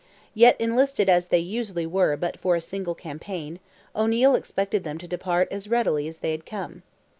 Yet enlisted as they usually were but for a single campaign, O'Neil expected them to depart as readily as they had come.